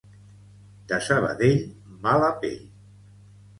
De Sabadell mala pell